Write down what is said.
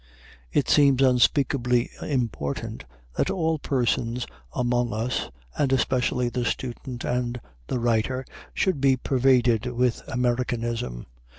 It seems unspeakably important that all persons among us, and especially the student and the writer, should be pervaded with Americanism.